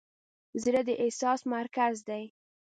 زړه د احساس مرکز دی.